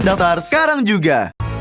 daftar sekarang juga